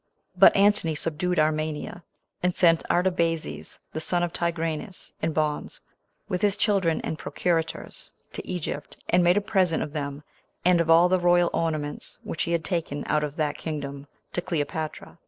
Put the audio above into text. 3. But Antony subdued Armenia, and sent Artabazes, the son of Tigranes, in bonds, with his children and procurators, to Egypt, and made a present of them, and of all the royal ornaments which he had taken out of that kingdom, to Cleopatra.